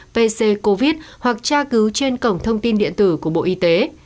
pc covid hoặc tra cứu trên cổng thông tin điện tử của bộ y tế